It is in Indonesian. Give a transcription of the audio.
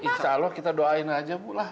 insya allah kita doain saja pak